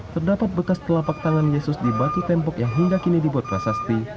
terdapat bekas telapak tangan yesus di batu tembok yang hingga kini dibuat prasasti